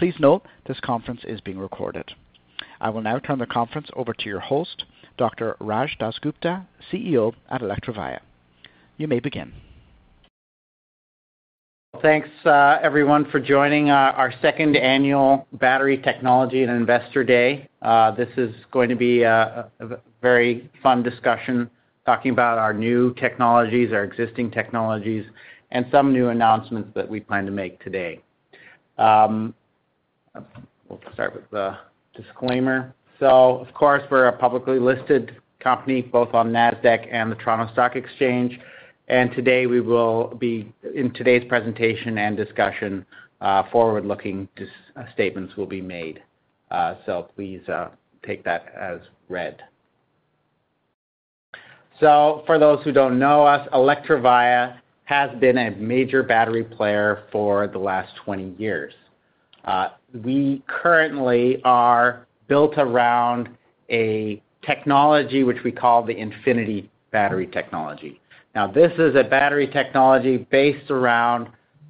Please note, this conference is being recorded. I will now turn the conference over to your host, Dr. Rajshekar DasGupta, CEO at Electrovaya. You may begin. Thanks, everyone, for joining our second annual Battery Technology and Investor Day. This is going to be a very fun discussion talking about our new technologies, our existing technologies, and some new announcements that we plan to make today. We'll start with the disclaimer. So, of course, we're a publicly listed company both on NASDAQ and the Toronto Stock Exchange. Today we will be, in today's presentation and discussion, forward-looking statements will be made. So please take that as read. So for those who don't know us, Electrovaya has been a major battery player for the last 20 years. We currently are built around a technology which we call the Infinity Battery Technology. Now, this is a battery technology based around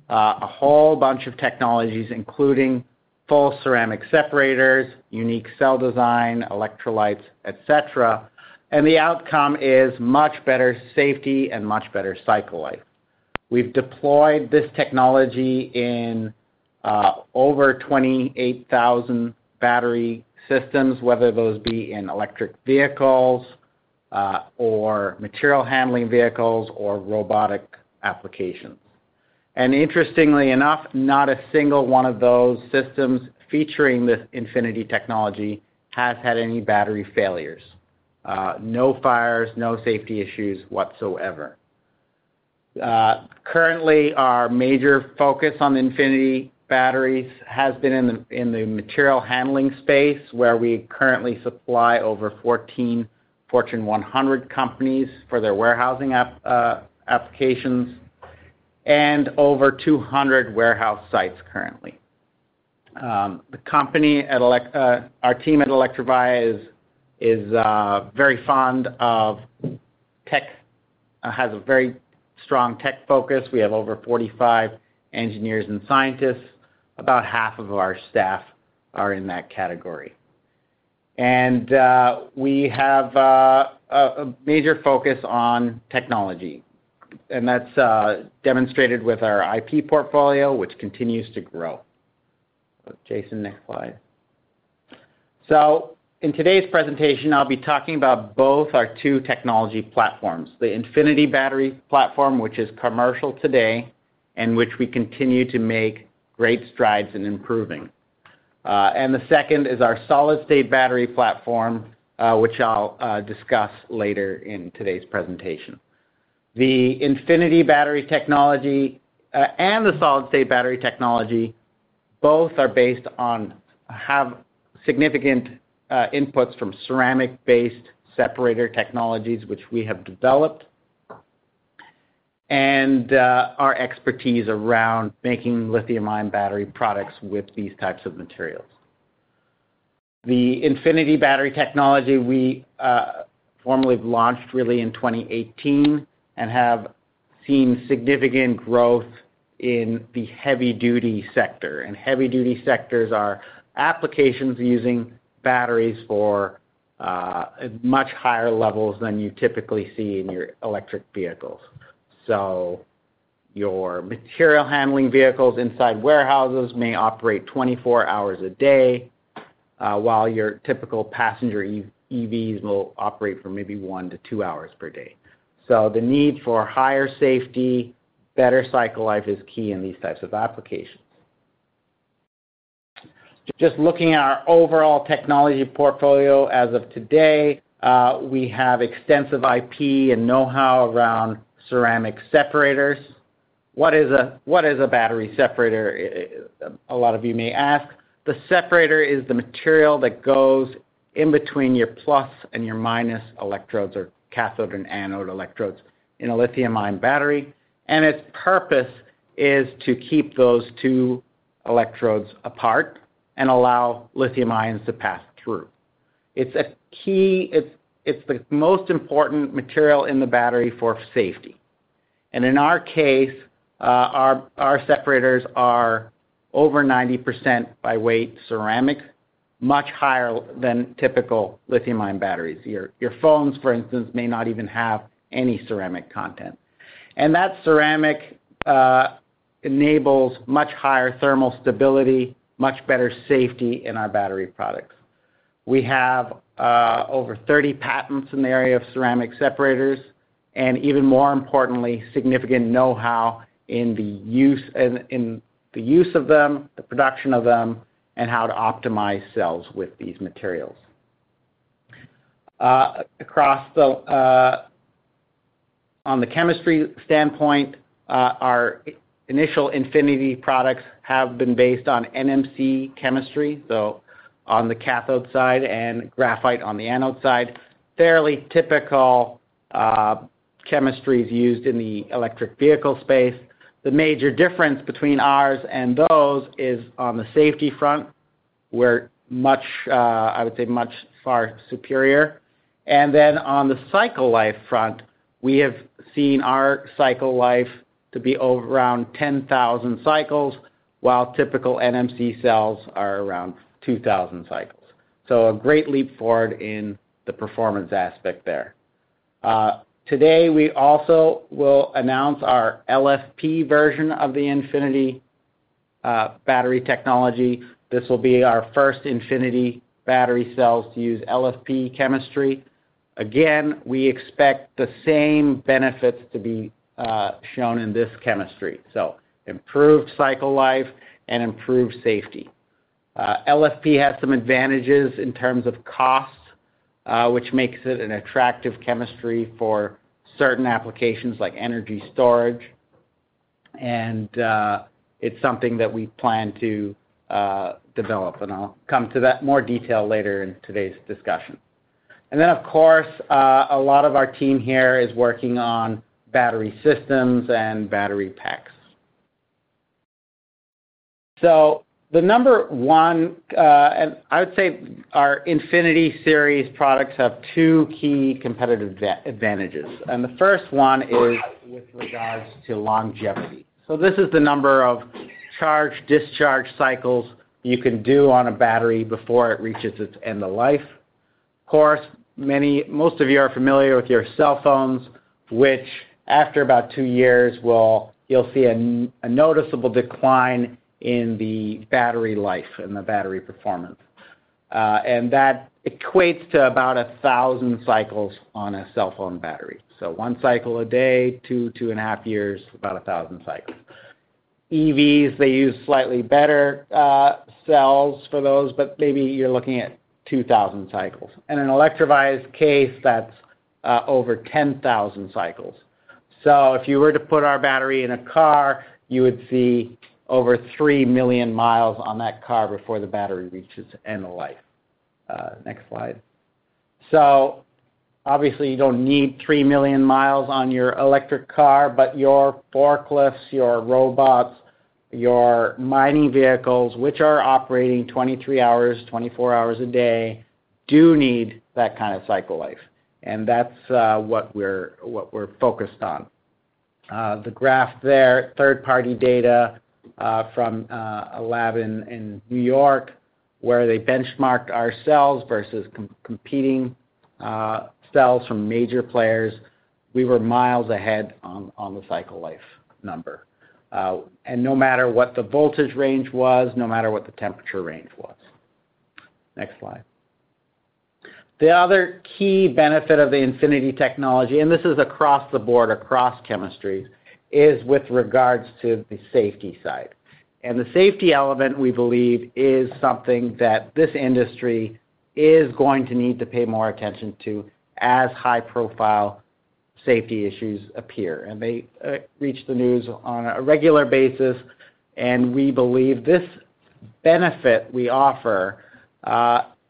a whole bunch of technologies, including full ceramic separators, unique cell design, electrolytes, etc. And the outcome is much better safety and much better cycle life. We've deployed this technology in over 28,000 battery systems, whether those be in electric vehicles or material handling vehicles or robotic applications. Interestingly enough, not a single one of those systems featuring this Infinity technology has had any battery failures. No fires, no safety issues whatsoever. Currently, our major focus on Infinity batteries has been in the material handling space, where we currently supply over 14 Fortune 100 companies for their warehousing applications and over 200 warehouse sites currently. Our team at Electrovaya is very fond of tech, has a very strong tech focus. We have over 45 engineers and scientists. About half of our staff are in that category. We have a major focus on technology. That's demonstrated with our IP portfolio, which continues to grow. Jason, next slide. So in today's presentation, I'll be talking about both our two technology platforms: the Infinity battery platform, which is commercial today and which we continue to make great strides in improving. The second is our solid-state battery platform, which I'll discuss later in today's presentation. The Infinity battery technology and the solid-state battery technology both are based on, have significant inputs from ceramic-based separator technologies, which we have developed, and our expertise around making lithium-ion battery products with these types of materials. The Infinity battery technology we formally launched really in 2018 and have seen significant growth in the heavy-duty sector. Heavy-duty sectors are applications using batteries for much higher levels than you typically see in your electric vehicles. Your material handling vehicles inside warehouses may operate 24 hours a day, while your typical passenger EVs will operate for maybe 1-2 hours per day. The need for higher safety, better cycle life is key in these types of applications. Just looking at our overall technology portfolio as of today, we have extensive IP and know-how around ceramic separators. What is a battery separator? A lot of you may ask. The separator is the material that goes in between your plus and your minus electrodes or cathode and anode electrodes in a lithium-ion battery. Its purpose is to keep those two electrodes apart and allow lithium ions to pass through. It's the most important material in the battery for safety. In our case, our separators are over 90% by weight ceramic, much higher than typical lithium-ion batteries. Your phones, for instance, may not even have any ceramic content. That ceramic enables much higher thermal stability, much better safety in our battery products. We have over 30 patents in the area of ceramic separators and, even more importantly, significant know-how in the use of them, the production of them, and how to optimize cells with these materials. On the chemistry standpoint, our initial Infinity products have been based on NMC chemistry, so on the cathode side and graphite on the anode side, fairly typical chemistries used in the electric vehicle space. The major difference between ours and those is on the safety front, where I would say much far superior. And then on the cycle life front, we have seen our cycle life to be around 10,000 cycles, while typical NMC cells are around 2,000 cycles. So a great leap forward in the performance aspect there. Today, we also will announce our LFP version of the Infinity battery technology. This will be our first Infinity battery cells to use LFP chemistry. Again, we expect the same benefits to be shown in this chemistry: improved cycle life and improved safety. LFP has some advantages in terms of cost, which makes it an attractive chemistry for certain applications like energy storage. And it's something that we plan to develop. And I'll come to that more detail later in today's discussion. And then, of course, a lot of our team here is working on battery systems and battery packs. So the number one, and I would say our Infinity series products have two key competitive advantages. And the first one is with regards to longevity. So this is the number of charged/discharged cycles you can do on a battery before it reaches its end of life. Of course, most of you are familiar with your cell phones, which after about two years, you'll see a noticeable decline in the battery life and the battery performance. That equates to about 1,000 cycles on a cell phone battery. One cycle a day, two, two and a half years, about 1,000 cycles. EVs, they use slightly better cells for those, but maybe you're looking at 2,000 cycles. In Electrovaya's case, that's over 10,000 cycles. If you were to put our battery in a car, you would see over 3 million miles on that car before the battery reaches end of life. Next slide. Obviously, you don't need 3 million miles on your electric car, but your forklifts, your robots, your mining vehicles, which are operating 23 hours, 24 hours a day, do need that kind of cycle life. That's what we're focused on. The graph there, third-party data from a lab in New York, where they benchmarked our cells versus competing cells from major players. We were miles ahead on the cycle life number. No matter what the voltage range was, no matter what the temperature range was. Next slide. The other key benefit of the Infinity technology, and this is across the board, across chemistries, is with regards to the safety side. The safety element, we believe, is something that this industry is going to need to pay more attention to as high-profile safety issues appear. They reach the news on a regular basis. We believe this benefit we offer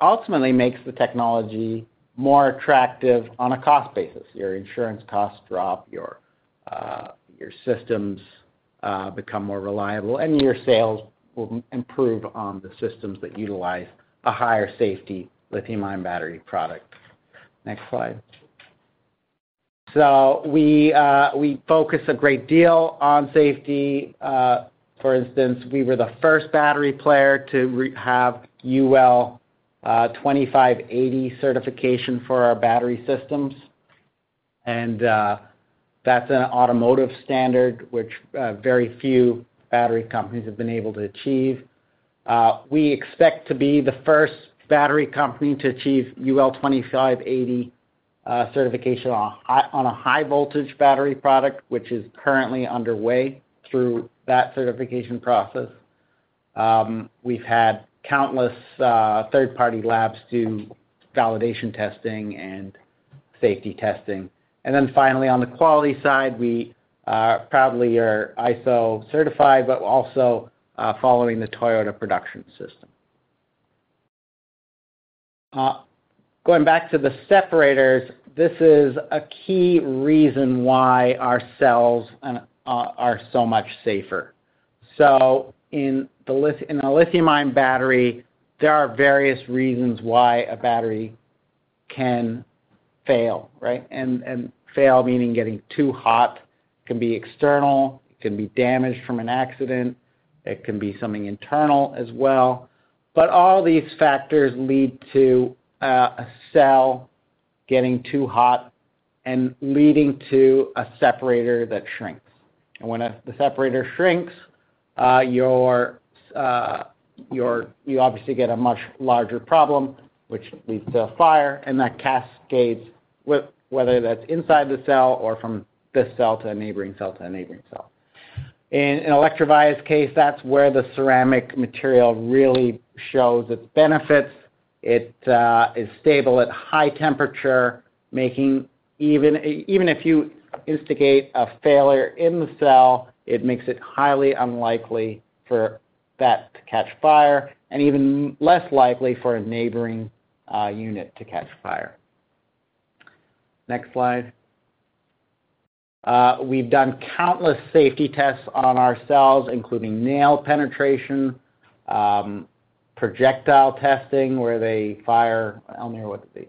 ultimately makes the technology more attractive on a cost basis. Your insurance costs drop, your systems become more reliable, and your sales will improve on the systems that utilize a higher safety lithium-ion battery product. Next slide. So we focus a great deal on safety. For instance, we were the first battery player to have UL 2580 certification for our battery systems. That's an automotive standard which very few battery companies have been able to achieve. We expect to be the first battery company to achieve UL 2580 certification on a high-voltage battery product, which is currently underway through that certification process. We've had countless third-party labs do validation testing and safety testing. Then finally, on the quality side, we proudly are ISO certified, but also following the Toyota Production System. Going back to the separators, this is a key reason why our cells are so much safer. So in a lithium-ion battery, there are various reasons why a battery can fail, right? Fail, meaning getting too hot, can be external. It can be damaged from an accident. It can be something internal as well. All these factors lead to a cell getting too hot and leading to a separator that shrinks. When the separator shrinks, you obviously get a much larger problem, which leads to a fire, and that cascades, whether that's inside the cell or from this cell to a neighboring cell to a neighboring cell. In Electrovaya's case, that's where the ceramic material really shows its benefits. It is stable at high temperature, making even if you instigate a failure in the cell, it makes it highly unlikely for that to catch fire and even less likely for a neighboring unit to catch fire. Next slide. We've done countless safety tests on our cells, including nail penetration, projectile testing, where they fire. I'll never know what the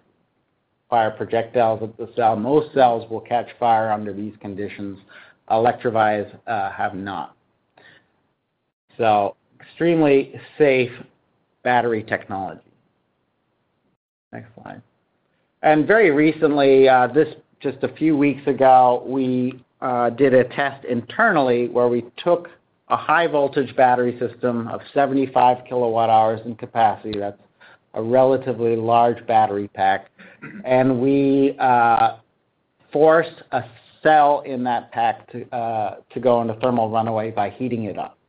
projectiles of the cell. Most cells will catch fire under these conditions. Electrovaya's have not. So extremely safe battery technology. Next slide. And very recently, just a few weeks ago, we did a test internally where we took a high-voltage battery system of 75 kWh in capacity. That's a relatively large battery pack. And we forced a cell in that pack to go into thermal runaway by heating it up.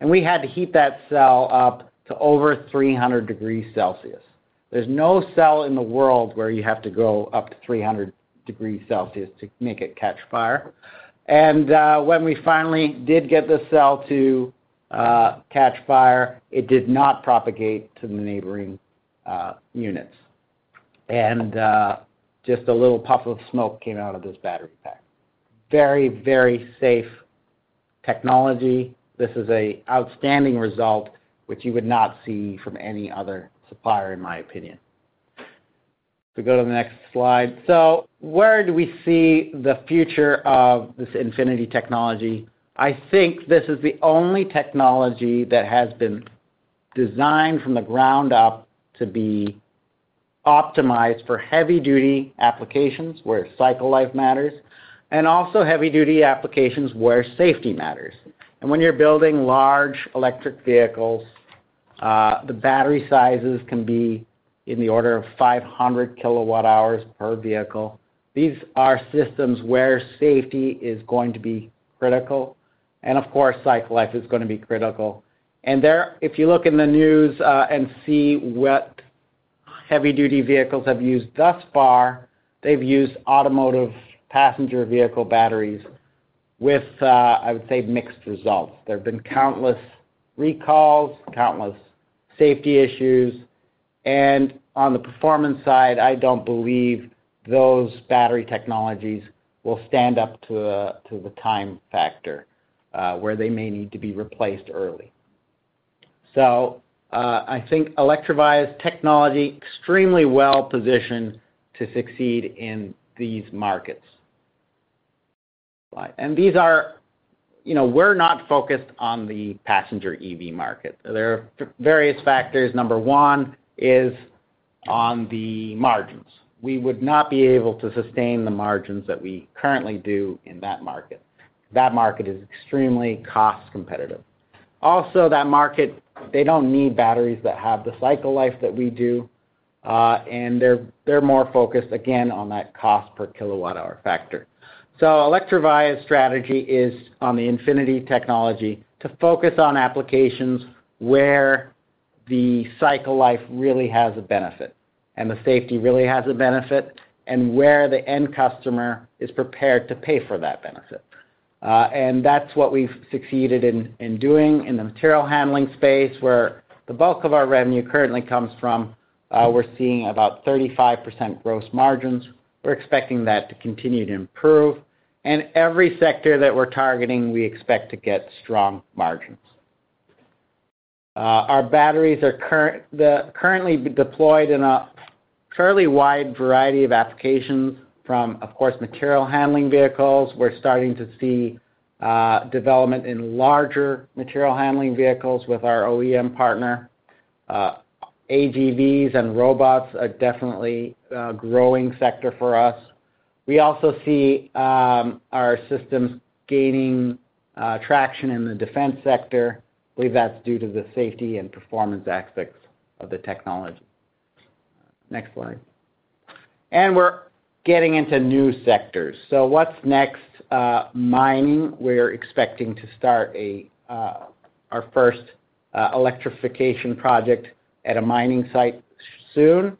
And we had to heat that cell up to over 300 degrees Celsius. There's no cell in the world where you have to go up to 300 degrees Celsius to make it catch fire. And when we finally did get the cell to catch fire, it did not propagate to the neighboring units. Just a little puff of smoke came out of this battery pack. Very, very safe technology. This is an outstanding result, which you would not see from any other supplier, in my opinion. If we go to the next slide. Where do we see the future of this Infinity technology? I think this is the only technology that has been designed from the ground up to be optimized for heavy-duty applications where cycle life matters, and also heavy-duty applications where safety matters. When you're building large electric vehicles, the battery sizes can be in the order of 500 kWh per vehicle. These are systems where safety is going to be critical. Of course, cycle life is going to be critical. If you look in the news and see what heavy-duty vehicles have used thus far, they've used automotive passenger vehicle batteries with, I would say, mixed results. There have been countless recalls, countless safety issues. And on the performance side, I don't believe those battery technologies will stand up to the time factor where they may need to be replaced early. So I think Electrovaya's technology is extremely well positioned to succeed in these markets. And we're not focused on the passenger EV market. There are various factors. Number one is on the margins. We would not be able to sustain the margins that we currently do in that market. That market is extremely cost competitive. Also, that market, they don't need batteries that have the cycle life that we do. And they're more focused, again, on that cost per kilowatt-hour factor. So Electrovaya's strategy is on the Infinity technology to focus on applications where the cycle life really has a benefit and the safety really has a benefit and where the end customer is prepared to pay for that benefit. And that's what we've succeeded in doing in the material handling space, where the bulk of our revenue currently comes from. We're seeing about 35% gross margins. We're expecting that to continue to improve. And every sector that we're targeting, we expect to get strong margins. Our batteries are currently deployed in a fairly wide variety of applications from, of course, material handling vehicles. We're starting to see development in larger material handling vehicles with our OEM partner. AGVs and robots are definitely a growing sector for us. We also see our systems gaining traction in the defense sector. I believe that's due to the safety and performance aspects of the technology. Next slide. We're getting into new sectors. So what's next? Mining. We're expecting to start our first electrification project at a mining site soon.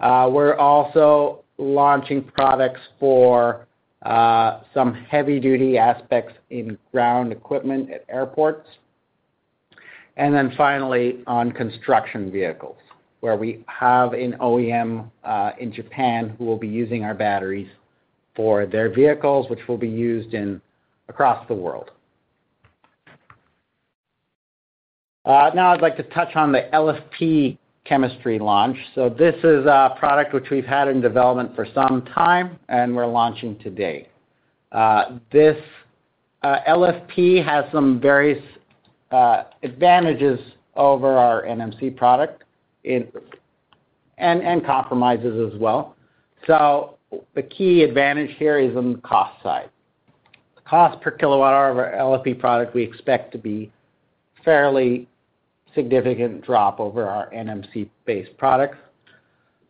We're also launching products for some heavy-duty aspects in ground equipment at airports. Then finally, on construction vehicles, where we have an OEM in Japan who will be using our batteries for their vehicles, which will be used across the world. Now, I'd like to touch on the LFP chemistry launch. This is a product which we've had in development for some time, and we're launching today. This LFP has some various advantages over our NMC product and compromises as well. The key advantage here is on the cost side. The cost per kilowatt-hour of our LFP product, we expect to be a fairly significant drop over our NMC-based products.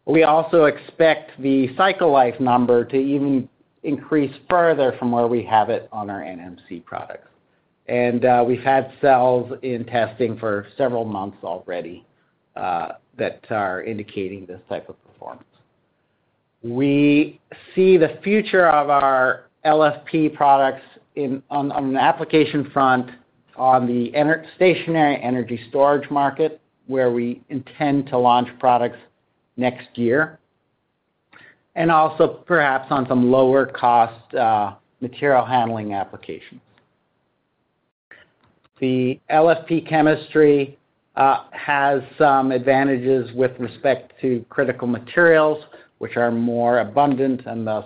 We also expect the cycle life number to even increase further from where we have it on our NMC products. We've had cells in testing for several months already that are indicating this type of performance. We see the future of our LFP products on the application front on the stationary energy storage market, where we intend to launch products next year, and also perhaps on some lower-cost material handling applications. The LFP chemistry has some advantages with respect to critical materials, which are more abundant and thus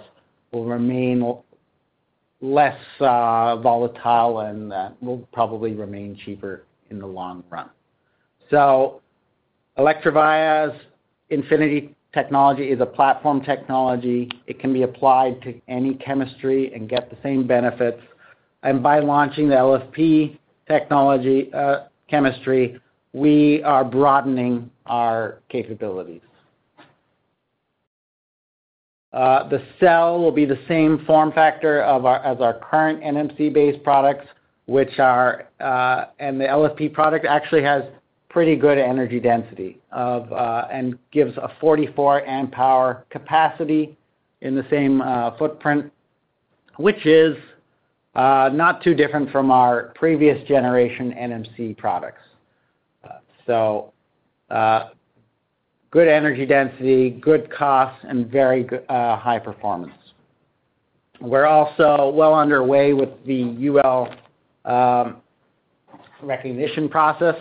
will remain less volatile and will probably remain cheaper in the long run. Electrovaya's Infinity technology is a platform technology. It can be applied to any chemistry and get the same benefits. By launching the LFP chemistry, we are broadening our capabilities. The cell will be the same form factor as our current NMC-based products, which are, and the LFP product actually has pretty good energy density and gives a 44 amp-hour capacity in the same footprint, which is not too different from our previous generation NMC products. So good energy density, good costs, and very high performance. We're also well underway with the UL recognition process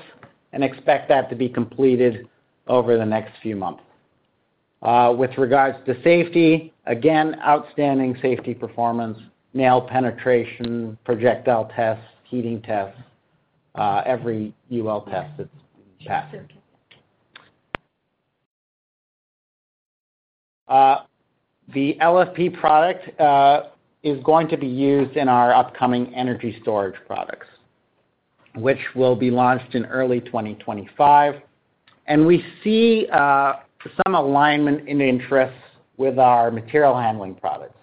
and expect that to be completed over the next few months. With regards to safety, again, outstanding safety performance, nail penetration, projectile tests, heating tests, every UL test that's passed. The LFP product is going to be used in our upcoming energy storage products, which will be launched in early 2025. We see some alignment in interests with our material handling products.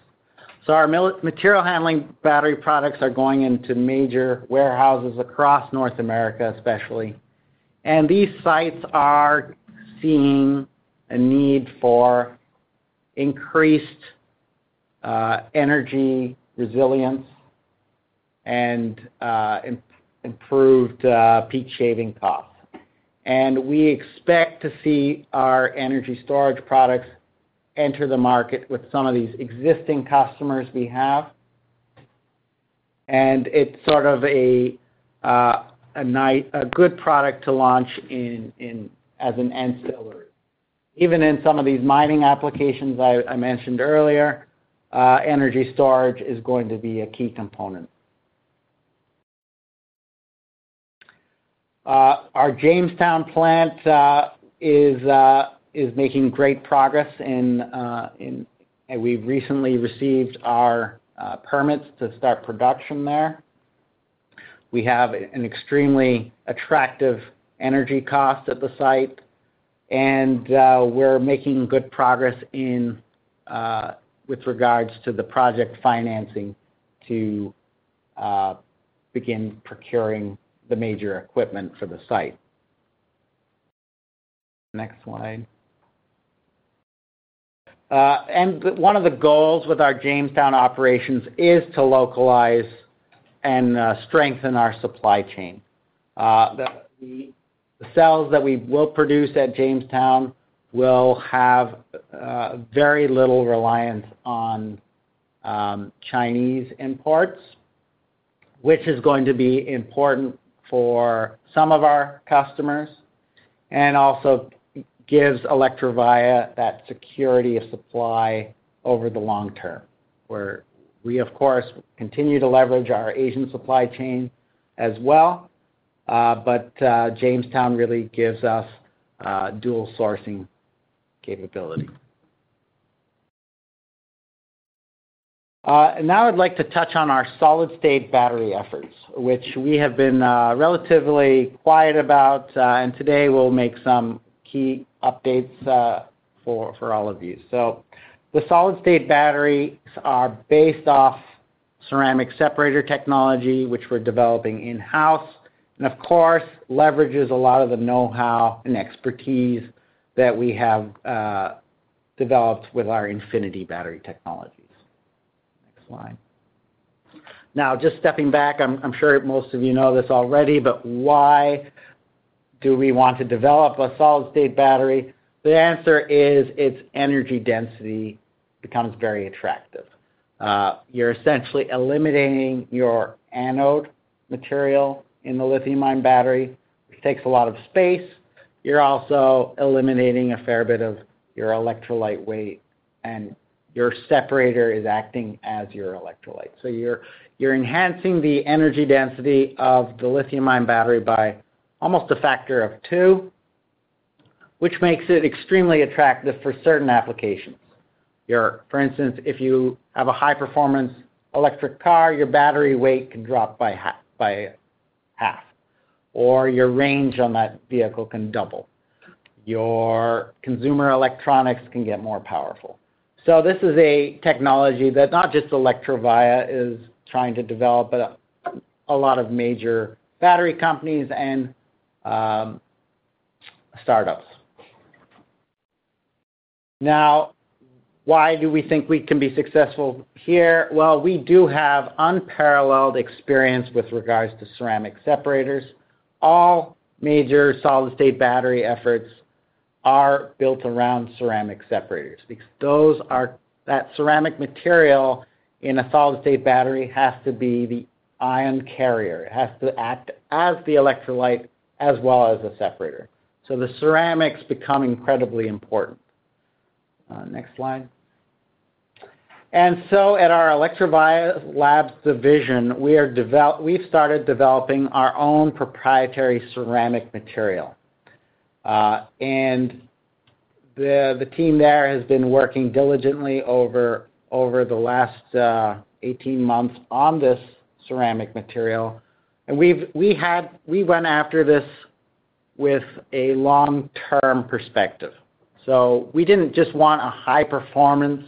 So our material handling battery products are going into major warehouses across North America, especially. These sites are seeing a need for increased energy resilience and improved peak shaving costs. We expect to see our energy storage products enter the market with some of these existing customers we have. It's sort of a good product to launch as an ancillary. Even in some of these mining applications I mentioned earlier, energy storage is going to be a key component. Our Jamestown plant is making great progress, and we've recently received our permits to start production there. We have an extremely attractive energy cost at the site. We're making good progress with regards to the project financing to begin procuring the major equipment for the site. Next slide. One of the goals with our Jamestown operations is to localize and strengthen our supply chain. The cells that we will produce at Jamestown will have very little reliance on Chinese imports, which is going to be important for some of our customers and also gives Electrovaya that security of supply over the long term. We're, of course, continuing to leverage our Asian supply chain as well. Jamestown really gives us dual sourcing capability. Now I'd like to touch on our solid-state battery efforts, which we have been relatively quiet about. Today, we'll make some key updates for all of you. The solid-state batteries are based off ceramic separator technology, which we're developing in-house, and of course, leverages a lot of the know-how and expertise that we have developed with our Infinity battery technologies. Next slide. Now, just stepping back, I'm sure most of you know this already, but why do we want to develop a solid-state battery? The answer is its energy density becomes very attractive. You're essentially eliminating your anode material in the lithium-ion battery, which takes a lot of space. You're also eliminating a fair bit of your electrolyte weight, and your separator is acting as your electrolyte. So you're enhancing the energy density of the lithium-ion battery by almost a factor of two, which makes it extremely attractive for certain applications. For instance, if you have a high-performance electric car, your battery weight can drop by half, or your range on that vehicle can double. Your consumer electronics can get more powerful. So this is a technology that not just Electrovaya is trying to develop, but a lot of major battery companies and startups. Now, why do we think we can be successful here? Well, we do have unparalleled experience with regards to ceramic separators. All major solid-state battery efforts are built around ceramic separators because that ceramic material in a solid-state battery has to be the ion carrier. It has to act as the electrolyte as well as the separator. So the ceramics become incredibly important. Next slide. And so at our Electrovaya Labs division, we've started developing our own proprietary ceramic material. And the team there has been working diligently over the last 18 months on this ceramic material. And we went after this with a long-term perspective. So we didn't just want a high-performance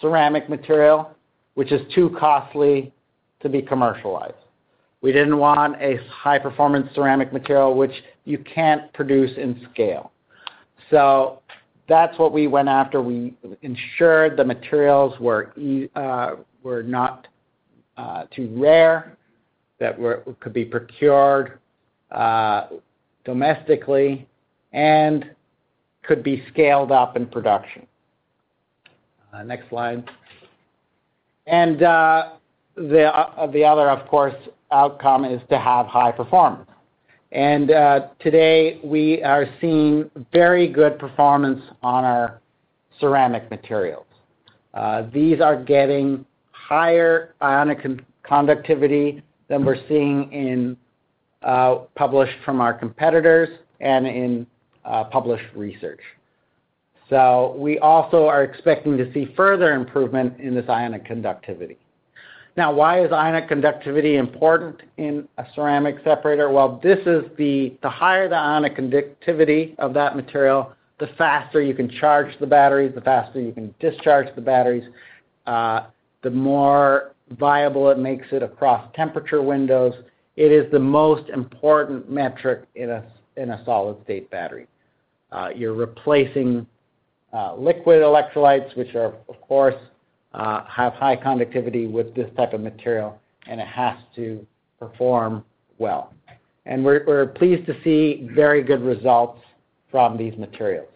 ceramic material, which is too costly to be commercialized. We didn't want a high-performance ceramic material, which you can't produce in scale. So that's what we went after. We ensured the materials were not too rare, that could be procured domestically, and could be scaled up in production. Next slide. The other, of course, outcome is to have high performance. Today, we are seeing very good performance on our ceramic materials. These are getting higher ionic conductivity than we're seeing published from our competitors and in published research. We also are expecting to see further improvement in this ionic conductivity. Now, why is ionic conductivity important in a ceramic separator? Well, the higher the ionic conductivity of that material, the faster you can charge the batteries, the faster you can discharge the batteries, the more viable it makes it across temperature windows. It is the most important metric in a solid-state battery. You're replacing liquid electrolytes, which are, of course, have high conductivity with this type of material, and it has to perform well. We're pleased to see very good results from these materials.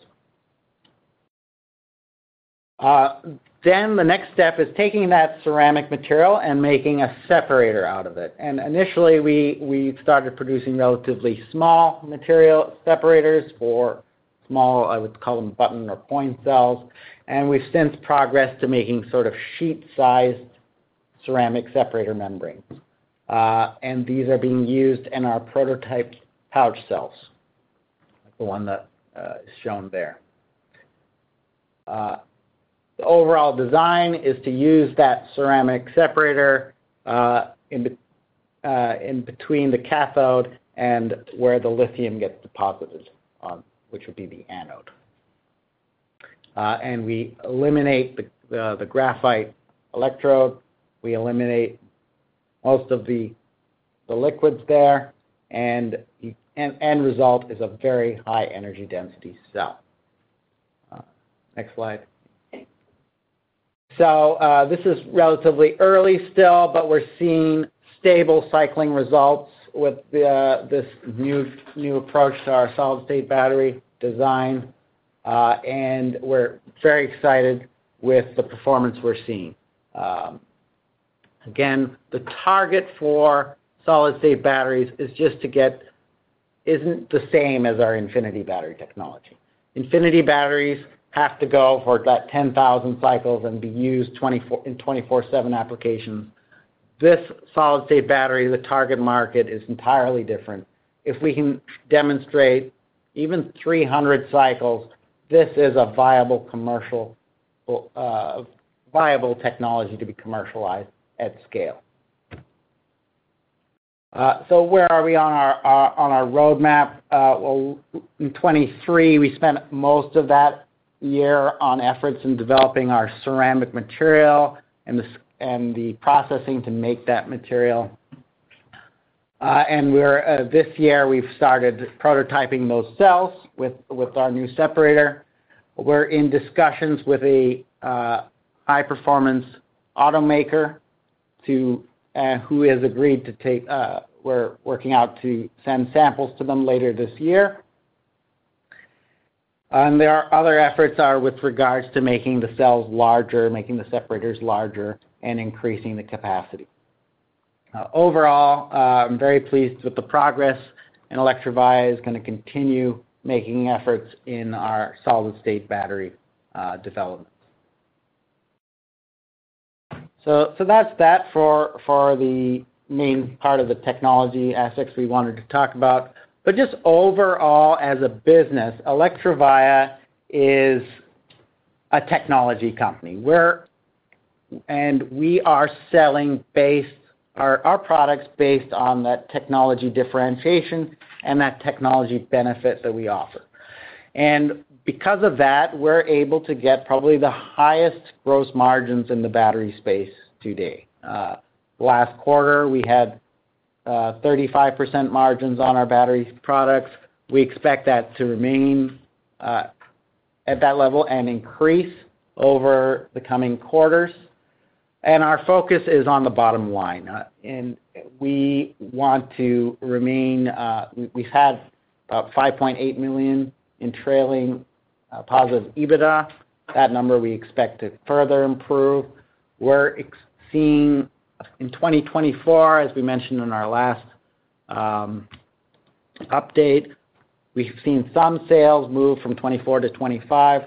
Then the next step is taking that ceramic material and making a separator out of it. Initially, we started producing relatively small material separators for small, I would call them button or point cells. We've since progressed to making sort of sheet-sized ceramic separator membranes. These are being used in our prototype pouch cells, the one that is shown there. The overall design is to use that ceramic separator in between the cathode and where the lithium gets deposited, which would be the anode. We eliminate the graphite electrode. We eliminate most of the liquids there. The end result is a very high-energy density cell. Next slide. This is relatively early still, but we're seeing stable cycling results with this new approach to our solid-state battery design. We're very excited with the performance we're seeing. Again, the target for solid-state batteries is just to get, isn't the same as our Infinity Battery Technology. Infinity batteries have to go for about 10,000 cycles and be used in 24/7 applications. This solid-state battery, the target market is entirely different. If we can demonstrate even 300 cycles, this is a viable technology to be commercialized at scale. So where are we on our roadmap? Well, in 2023, we spent most of that year on efforts in developing our ceramic material and the processing to make that material. And this year, we've started prototyping those cells with our new separator. We're in discussions with a high-performance automaker who has agreed to take. We're working out to send samples to them later this year. And there are other efforts with regards to making the cells larger, making the separators larger, and increasing the capacity. Overall, I'm very pleased with the progress. Electrovaya is going to continue making efforts in our solid-state battery development. That's that for the main part of the technology aspects we wanted to talk about. Just overall, as a business, Electrovaya is a technology company. We are selling our products based on that technology differentiation and that technology benefit that we offer. Because of that, we're able to get probably the highest gross margins in the battery space today. Last quarter, we had 35% margins on our battery products. We expect that to remain at that level and increase over the coming quarters. Our focus is on the bottom line. We want to remain. We have about $5.8 million in trailing positive EBITDA. That number, we expect to further improve. We're seeing in 2024, as we mentioned in our last update, we've seen some sales move from 2024 to 2025.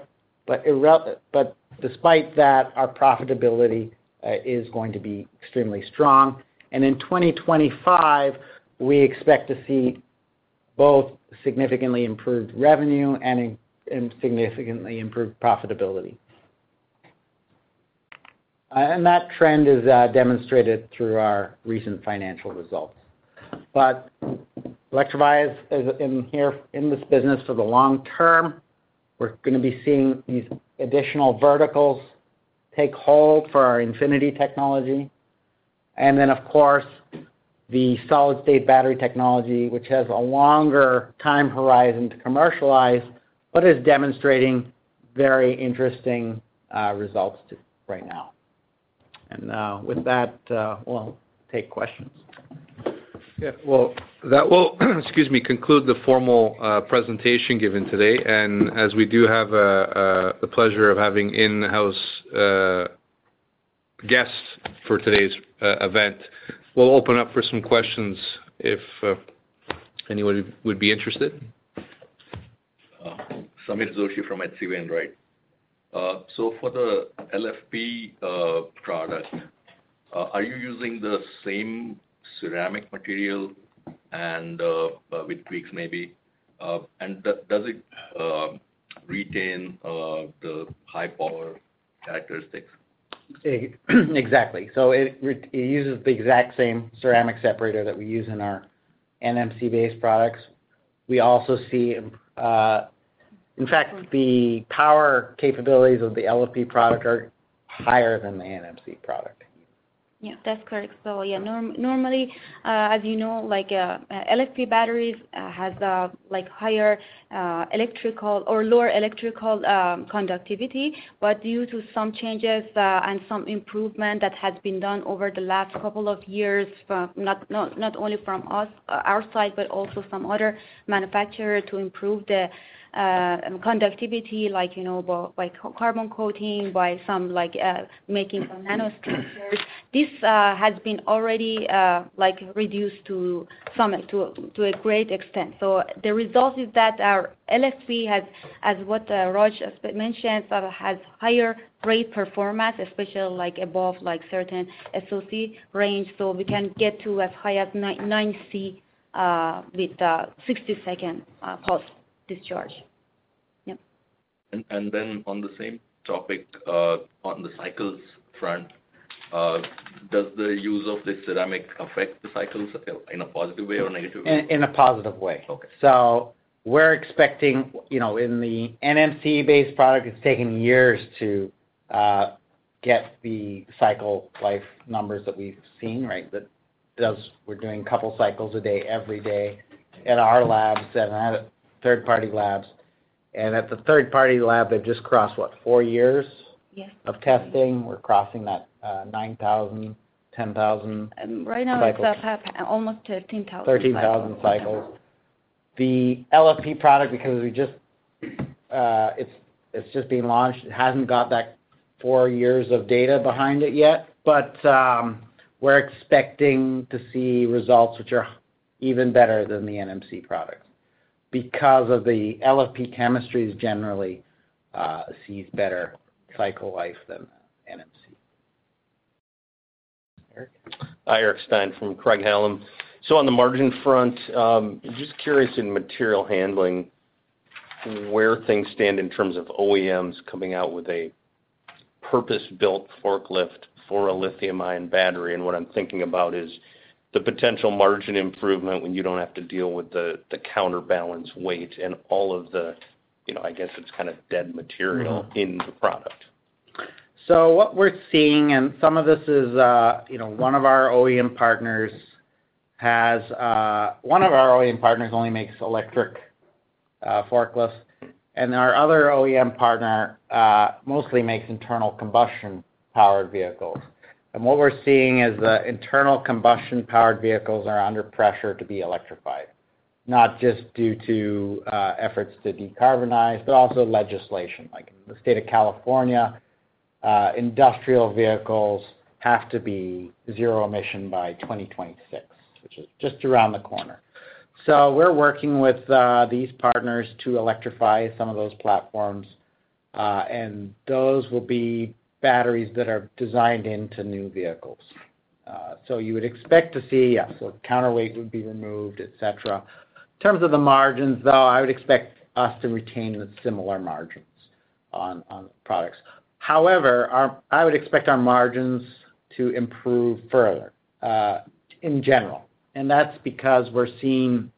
But despite that, our profitability is going to be extremely strong. And in 2025, we expect to see both significantly improved revenue and significantly improved profitability. And that trend is demonstrated through our recent financial results. But Electrovaya is in this business for the long term. We're going to be seeing these additional verticals take hold for our Infinity technology. And then, of course, the solid-state battery technology, which has a longer time horizon to commercialize but is demonstrating very interesting results right now. And with that, we'll take questions. Yeah. Well, that will, excuse me, conclude the formal presentation given today. And as we do have the pleasure of having in-house guests for today's event, we'll open up for some questions if anyone would be interested. Sameer Joshi from H.C. Wainwright & Co. So for the LFP product, are you using the same ceramic material and with tweaks maybe? And does it retain the high-power characteristics? Exactly. So it uses the exact same ceramic separator that we use in our NMC-based products. We also see, in fact, the power capabilities of the LFP product are higher than the NMC product. Yeah. That's correct. So yeah, normally, as you know, LFP batteries have higher electrical or lower electrical conductivity. But due to some changes and some improvement that has been done over the last couple of years, not only from our side, but also some other manufacturers to improve the conductivity, like by carbon coating, by making some nanostructures, this has been already reduced to a great extent. So the result is that our LFP, as what Raj mentioned, has higher rate performance, especially above certain SOC range. So we can get to as high as 9C with 60-second pulse discharge. Yeah. And then on the same topic, on the cycles front, does the use of this ceramic affect the cycles in a positive way or negative way? In a positive way. So we're expecting in the NMC-based product, it's taken years to get the cycle life numbers that we've seen, right? We're doing a couple of cycles a day, every day, at our labs and at third-party labs. And at the third-party lab, they've just crossed, what, four years of testing? We're crossing that 9,000, 10,000. Right now, we have almost 13,000 cycles. 13,000 cycles. The LFP product, because it's just being launched, hasn't got that four years of data behind it yet. But we're expecting to see results which are even better than the NMC product because of the LFP chemistries generally see better cycle life than NMC. Eric Stine from Craig-Hallum. So on the margin front, just curious in material handling, where things stand in terms of OEMs coming out with a purpose-built forklift for a lithium-ion battery. And what I'm thinking about is the potential margin improvement when you don't have to deal with the counterbalance weight and all of the, I guess, it's kind of dead material in the product. So what we're seeing, and some of this is one of our OEM partners has one of our OEM partners only makes electric forklifts. And our other OEM partner mostly makes internal combustion-powered vehicles. And what we're seeing is the internal combustion-powered vehicles are under pressure to be electrified, not just due to efforts to decarbonize, but also legislation. Like in the state of California, industrial vehicles have to be zero-emission by 2026, which is just around the corner. So we're working with these partners to electrify some of those platforms. And those will be batteries that are designed into new vehicles. So you would expect to see, yes, counterweight would be removed, etc. In terms of the margins, though, I would expect us to retain similar margins on products. However, I would expect our margins to improve further in general. That's because we're seeing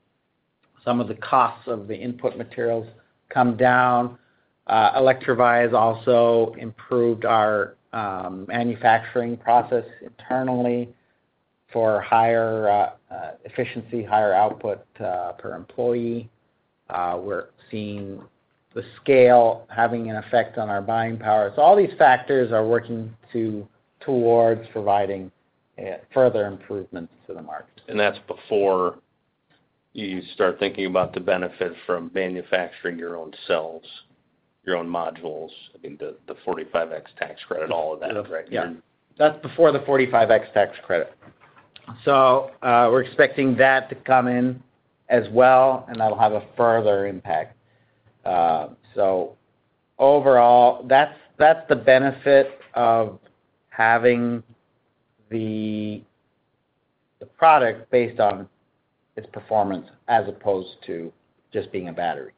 some of the costs of the input materials come down. Electrovaya has also improved our manufacturing process internally for higher efficiency, higher output per employee. We're seeing the scale having an effect on our buying power. All these factors are working toward providing further improvements to the market. That's before you start thinking about the benefit from manufacturing your own cells, your own modules, I mean, the 45X tax credit, all of that, right? That's before the 45X tax credit. So we're expecting that to come in as well, and that'll have a further impact. So overall, that's the benefit of having the product based on its performance as opposed to just being a battery.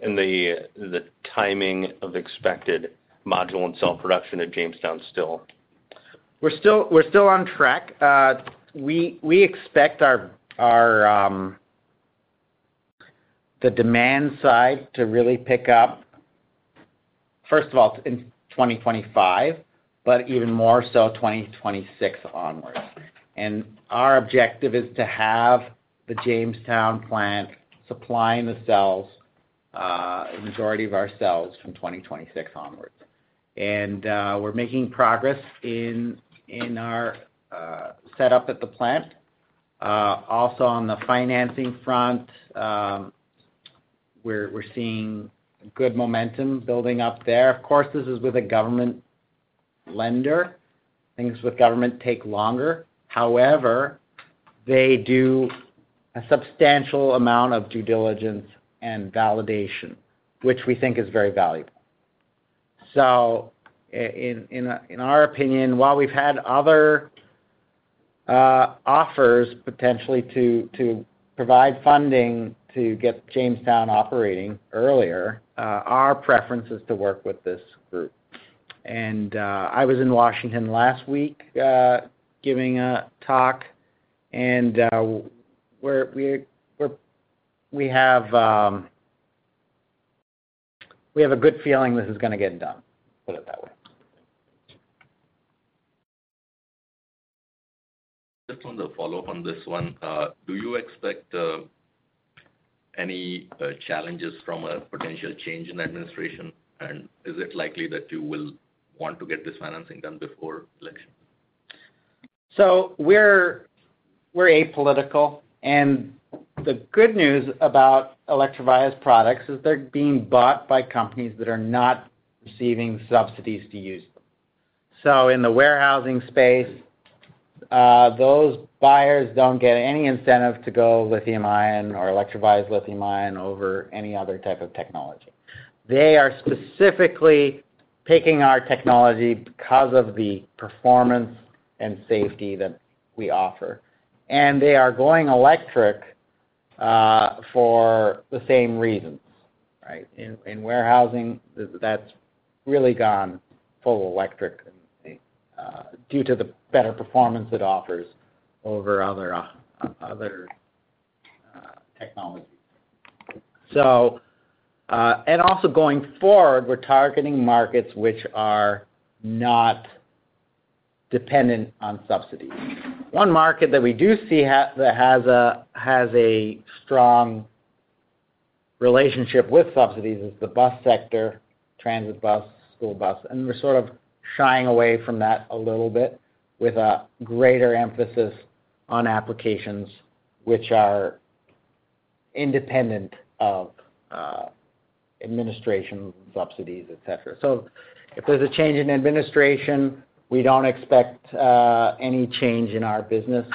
The timing of expected module and cell production at Jamestown still? We're still on track. We expect the demand side to really pick up, first of all, in 2025, but even more so 2026 onwards. Our objective is to have the Jamestown plant supplying the cells, the majority of our cells, from 2026 onwards. We're making progress in our setup at the plant. Also on the financing front, we're seeing good momentum building up there. Of course, this is with a government lender. Things with government take longer. However, they do a substantial amount of due diligence and validation, which we think is very valuable. So in our opinion, while we've had other offers potentially to provide funding to get Jamestown operating earlier, our preference is to work with this group. I was in Washington last week giving a talk. We have a good feeling this is going to get done, put it that way. Just on the follow-up on this one, do you expect any challenges from a potential change in administration? Is it likely that you will want to get this financing done before election? We're apolitical. The good news about Electrovaya's products is they're being bought by companies that are not receiving subsidies to use them. In the warehousing space, those buyers don't get any incentive to go Lithium-ion or Electrovaya's Lithium-ion over any other type of technology. They are specifically picking our technology because of the performance and safety that we offer. They are going electric for the same reasons, right? In warehousing, that's really gone full electric due to the better performance it offers over other technologies. Also going forward, we're targeting markets which are not dependent on subsidies. One market that we do see that has a strong relationship with subsidies is the bus sector, transit bus, school bus. We're sort of shying away from that a little bit with a greater emphasis on applications which are independent of administration subsidies, etc. If there's a change in administration, we don't expect any change in our business.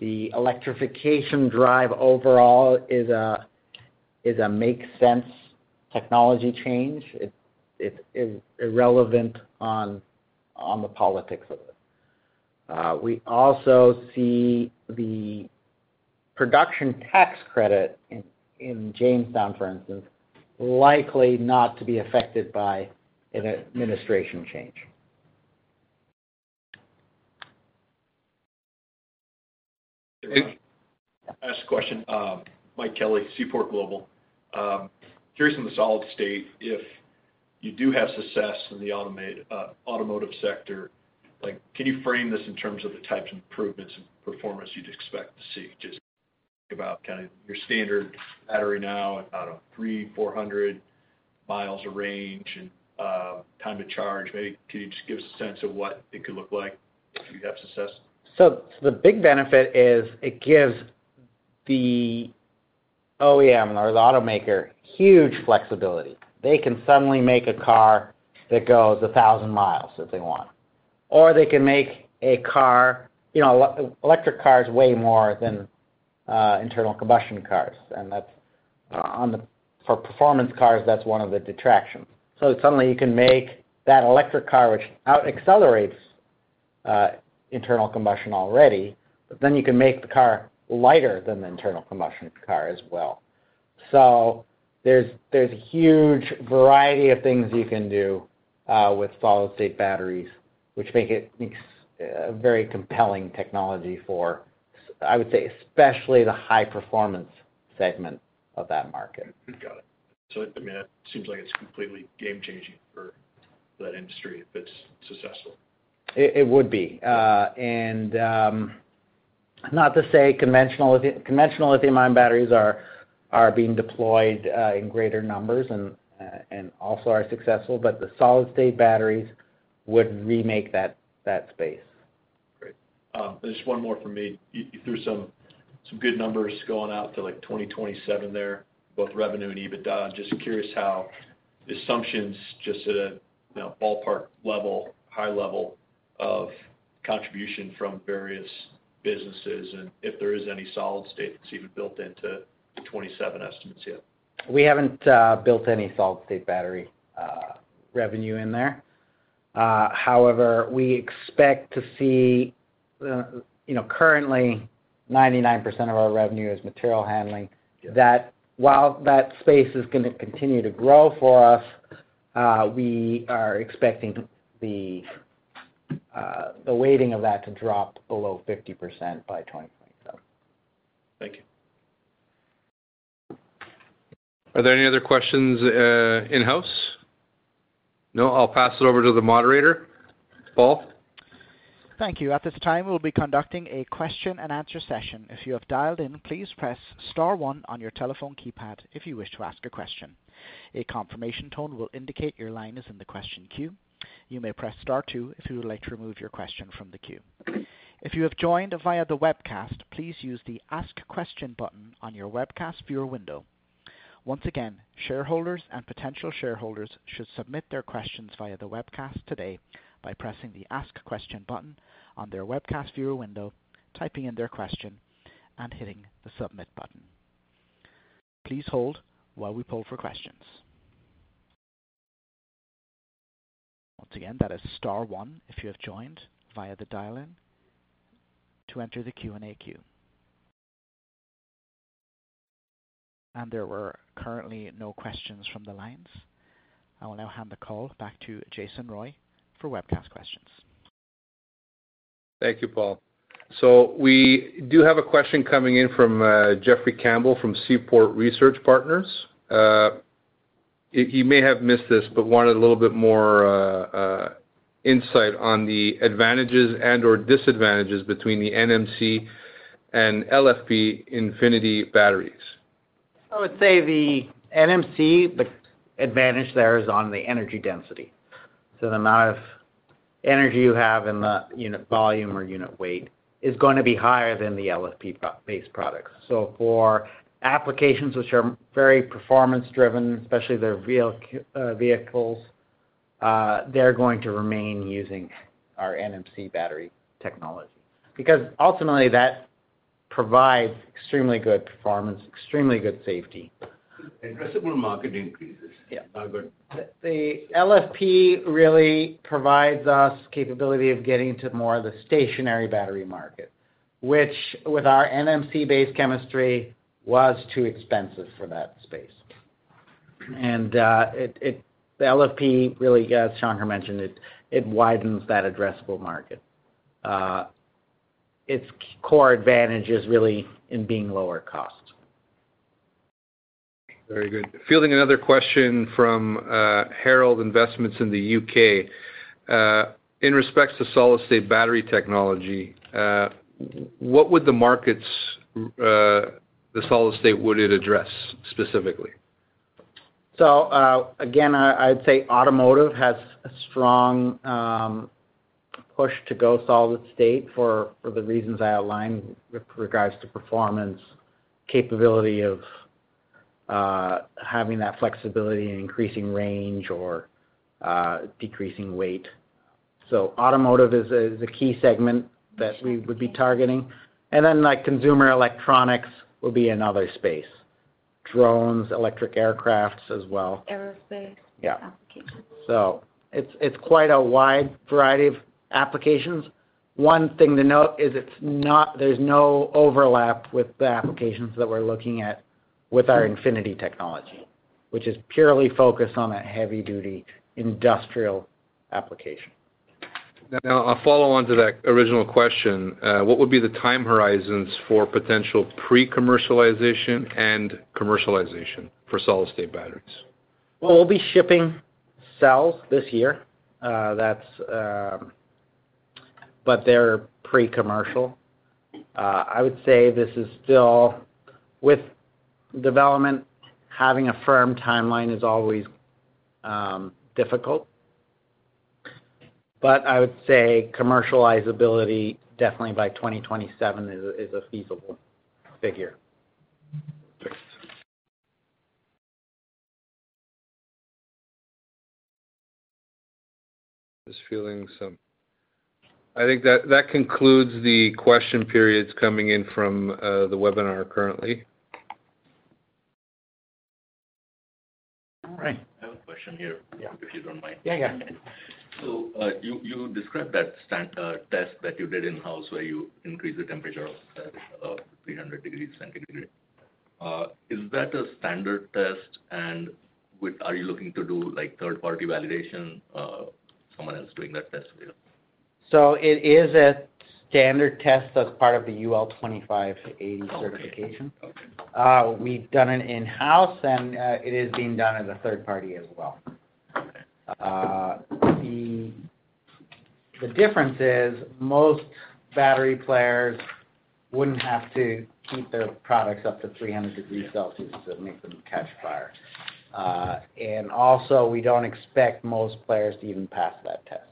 The electrification drive overall is a makes sense technology change. It's irrelevant on the politics of it. We also see the production tax credit in Jamestown, for instance, likely not to be affected by an administration change. Last question. Mike Kelly, Seaport Global. Curious on the solid state. If you do have success in the automotive sector, can you frame this in terms of the types of improvements and performance you'd expect to see? Just think about kind of your standard battery now at, I don't know, 300-400 miles of range and time to charge. Maybe can you just give us a sense of what it could look like if you have success? So the big benefit is it gives the OEM or the automaker huge flexibility. They can suddenly make a car that goes 1,000 miles if they want. Or they can make electric cars way more than internal combustion cars. And for performance cars, that's one of the detractions. So suddenly you can make that electric car, which accelerates internal combustion already, but then you can make the car lighter than the internal combustion car as well. So there's a huge variety of things you can do with solid-state batteries, which make it a very compelling technology for, I would say, especially the high-performance segment of that market. Got it. So I mean, it seems like it's completely game-changing for that industry if it's successful. It would be. Not to say conventional lithium-ion batteries are being deployed in greater numbers and also are successful, but the solid-state batteries would remake that space. Great. Just one more from me. You threw some good numbers going out to 2027 there, both revenue and EBITDA. I'm just curious how assumptions just at a ballpark level, high level of contribution from various businesses and if there is any solid-state that's even built into the 2027 estimates yet. We haven't built any solid-state battery revenue in there. However, we expect to see currently 99% of our revenue is material handling. While that space is going to continue to grow for us, we are expecting the weighting of that to drop below 50% by 2027. Thank you. Are there any other questions in-house? No? I'll pass it over to the moderator, Paul. Thank you. At this time, we'll be conducting a question-and-answer session. If you have dialed in, please press Star one on your telephone keypad if you wish to ask a question. A confirmation tone will indicate your line is in the question queue. You may press Star two if you would like to remove your question from the queue. If you have joined via the webcast, please use the Ask Question button on your webcast viewer window. Once again, shareholders and potential shareholders should submit their questions via the webcast today by pressing the Ask Question button on their webcast viewer window, typing in their question, and hitting the Submit button. Please hold while we pull for questions. Once again, that is Star one if you have joined via the dial-in to enter the Q&A queue. There were currently no questions from the lines. I will now hand the call back to Jason Roy for webcast questions. Thank you, Paul. So we do have a question coming in from Jeffrey Campbell from Seaport Research Partners. He may have missed this, but wanted a little bit more insight on the advantages and/or disadvantages between the NMC and LFP Infinity batteries. I would say the NMC, the advantage there is on the energy density. So the amount of energy you have in the unit volume or unit weight is going to be higher than the LFP-based products. So for applications which are very performance-driven, especially their vehicles, they're going to remain using our NMC battery technology because ultimately that provides extremely good performance, extremely good safety. Aggressive market increases. Yeah. The LFP really provides us capability of getting to more of the stationary battery market, which with our NMC-based chemistry was too expensive for that space. The LFP, really as Sankar mentioned, it widens that addressable market. Its core advantage is really in being lower cost. Very good. Fielding another question from Herald Investment Management in the U.K.. In respect to solid-state battery technology, what would the markets, the solid-state, would it address specifically? So again, I would say automotive has a strong push to go solid-state for the reasons I outlined with regards to performance, capability of having that flexibility and increasing range or decreasing weight. So automotive is a key segment that we would be targeting. And then consumer electronics will be another space. Drones, electric aircrafts as well. Aerospace applications. Yeah. It's quite a wide variety of applications. One thing to note is there's no overlap with the applications that we're looking at with our Infinity technology, which is purely focused on a heavy-duty industrial application. Now, I'll follow on to that original question. What would be the time horizons for potential pre-commercialization and commercialization for solid-state batteries? Well, we'll be shipping cells this year. They're pre-commercial. I would say this is still with development, having a firm timeline is always difficult. I would say commercializability definitely by 2027 is a feasible figure. Thanks. Just fielding some. I think that concludes the question periods coming in from the webinar currently. All right. I have a question here, if you don't mind. Yeah, yeah. So you described that test that you did in-house where you increase the temperature of 300 degrees centigrade. Is that a standard test? And are you looking to do third-party validation, someone else doing that test for you? So it is a standard test that's part of the UL 2580 certification. We've done it in-house, and it is being done as a third party as well. The difference is most battery players wouldn't have to heat their products up to 300 degrees Celsius to make them catch fire. And also, we don't expect most players to even pass that test.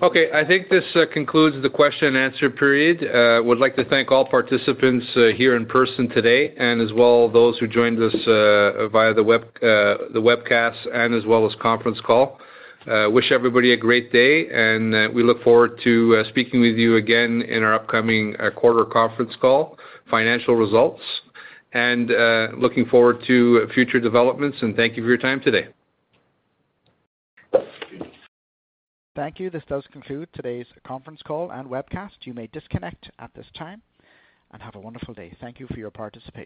Okay. I think this concludes the question-and-answer period. I would like to thank all participants here in person today and as well those who joined us via the webcast and as well as conference call. Wish everybody a great day. We look forward to speaking with you again in our upcoming quarter conference call, financial results. Looking forward to future developments. Thank you for your time today. Thank you. This does conclude today's conference call and webcast. You may disconnect at this time and have a wonderful day. Thank you for your participation.